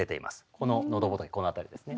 こののどぼとけこの辺りですね。